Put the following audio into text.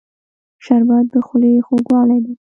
شربت د خولې خوږوالی دی